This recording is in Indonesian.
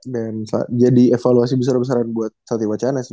dan jadi evaluasi besar besaran buat sati wacana sih